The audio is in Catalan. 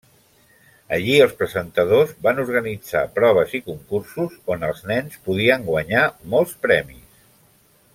Allí els presentadors van organitzar proves i concursos on els nens podien guanyar molts premis.